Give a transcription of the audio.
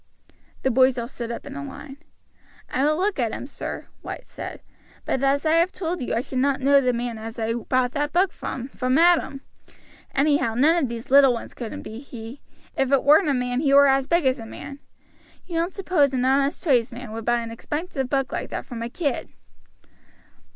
The boys all stood up in a line. "I will look at 'em, sir," White said; "but, as I have told you, I should not know the man as I bought that book from, from Adam. Anyhow none of these little ones couldn't be he. If it weren't a man, he were as big as a man. You don't suppose an honest tradesman would buy an expensive book like that from a kid."